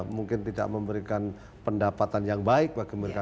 mungkin tidak memberikan pendapatan yang baik bagi mereka